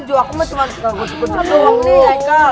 udah lah udah lah